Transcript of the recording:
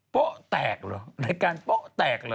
โป๊ะแตกเหรอรายการโป๊ะแตกเหรอ